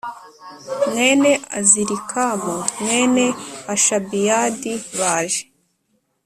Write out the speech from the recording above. mwene Azirikamu mwene Hashabiyad baje